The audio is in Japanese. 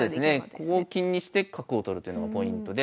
ここを金にして角を取るというのがポイントで。